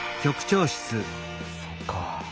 そっか。